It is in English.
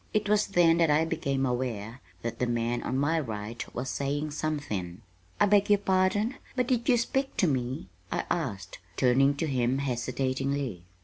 It was then that I became aware that the man on my right was saying something. "I beg your pardon, but did you speak to me?" I asked, turning to him hesitatingly.